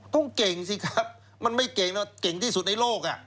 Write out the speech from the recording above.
ต้องเก่งสิครับมันไม่เก่งแล้วเก่งที่สุดในโลก